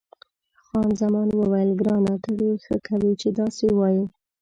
خان زمان وویل، ګرانه ته ډېره ښه کوې چې داسې وایې.